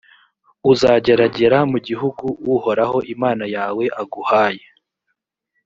uzageragera mu gihugu uhoraho imana yawe aguhaye,